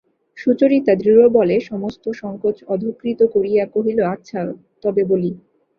সুচরিতা দৃঢ়বলে সমস্ত সংকোচ অধঃকৃত করিয়া কহিল, আচ্ছা, তবে বলি।